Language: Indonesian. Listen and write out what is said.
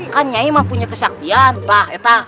kan nyai mah punya kesaktian pak